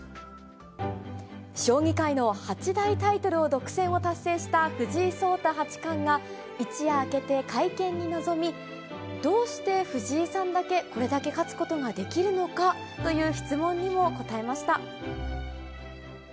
将棋界の八大タイトル独占を達成した藤井聡太八冠が、一夜明けて会見に臨み、どうして藤井さんだけこれだけ勝つことができるのかという質問にも答えました。